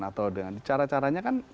atau dengan cara caranya kan